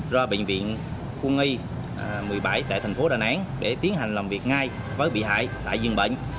ra bệnh viện quân y một mươi bảy tại thành phố đà nẵng để tiến hành làm việc ngay với bị hại tại giường bệnh